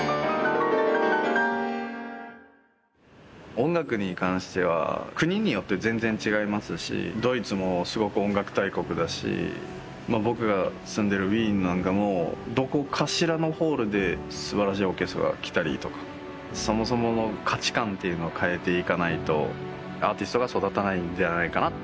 音楽に関しては国によって全然違いますしドイツもすごく音楽大国だし僕が住んでるウィーンなんかもどこかしらのホールですばらしいオーケストラが来たりとかそもそもの価値観っていうのを変えていかないとアーティストが育たないんではないかな